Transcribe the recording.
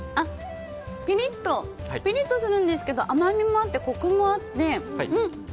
ピリッとするんですけど甘みもあってコクもあって。